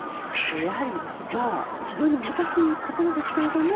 やはり非常に難しいところですが